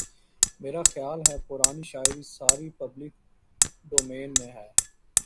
میرا خیال ہے پرانی شاعری ساری پبلک ڈومین میں ہے